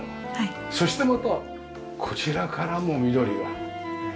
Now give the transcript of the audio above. そしてまたこちらからも緑が。